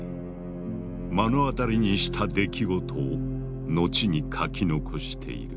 目の当たりにした出来事を後に書き残している。